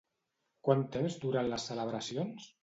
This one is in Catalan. Quant temps duren les celebracions?